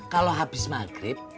kalau abis maghrib